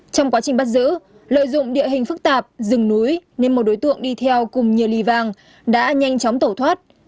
trong quá trình bắt giữ lợi dụng địa hình phức tạp rừng núi nên một đối tượng đi theo cùng nghìa lì vàng đã nhanh chóng tổ thoát